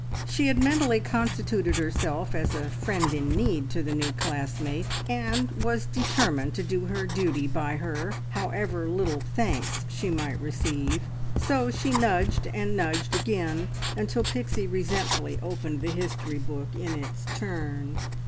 She had mentally constituted herself as friend in need to the new classmate, and was determined to do her duty by her, however little thanks she might receive; so she nudged, and nudged again, until Pixie resentfully opened the history book in its turn.